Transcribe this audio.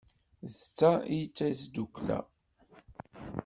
D ta ay d tasdukla.